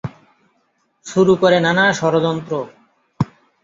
শুরু করে নানা ষড়যন্ত্র।